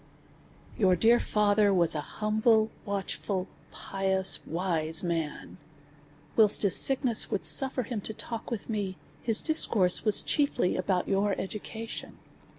Your dear father was an humble, watchful, pious, wise man. Whilst his sickness would suffer him to talk with me, his discourse was chiefly about your education.